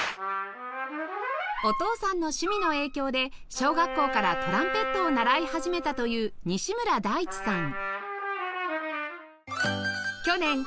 お父さんの趣味の影響で小学校からトランペットを習い始めたという西村大地さん